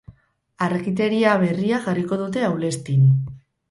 Argiteria berria jarriko dute Aulestin.